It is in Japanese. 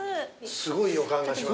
すごい予感がします。